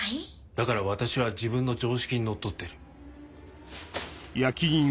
だから私は自分の常識にのっとってる。